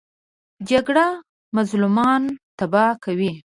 جګړه مظلومان تباه کوي